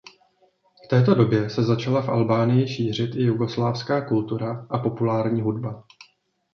V této době se začala v Albánii šířit i jugoslávská kultura a populární hudba.